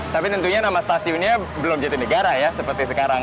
tapi tentunya nama stasiunnya belum jatinegara ya seperti sekarang